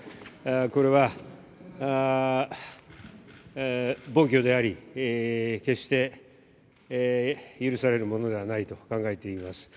これは暴挙であり決して許されるものではないと考えています。